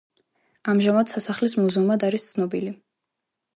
ამჟამად სასახლის მუზეუმად არის ცნობილი.